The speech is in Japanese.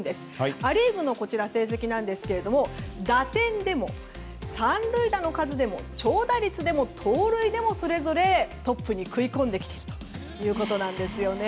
ア・リーグの成績なんですが打点でも、３塁打の数でも長打率でも盗塁でもそれぞれトップに食い込んできているということです。